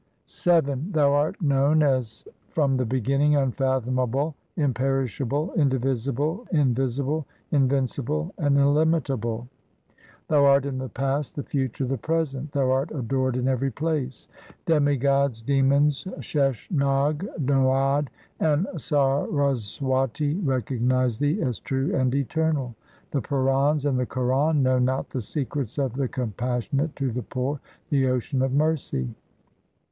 VII Thou art known as from the beginning, unfathomable, imperishable, indivisible, invisible, invincible, and illimitable. Thou art in the past, the future, the present ; Thou art adored in every place. Demigods, demons, Sheshnag, Narad, and Saraswati recognize Thee as true and eternal. The Purans and the Quran know not the secrets of the Compassionate to the poor, the Ocean of mercy.